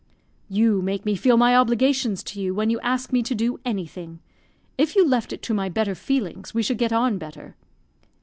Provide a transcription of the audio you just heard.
"You make me feel my obligations to you when you ask me to do anything; if you left it to my better feelings we should get on better."